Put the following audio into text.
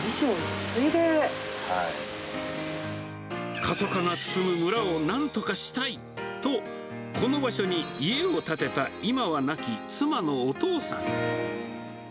過疎化が進む村をなんとかしたいと、この場所に家を建てた、今は亡き妻のお父さん。